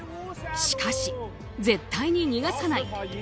しかし、絶対に逃がさない！